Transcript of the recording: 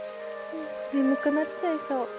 眠くなっちゃいそう。